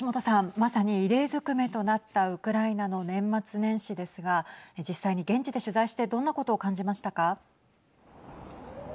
まさに異例づくめとなったウクライナの年末年始ですが実際に現地で取材してどんなことを感じましたか。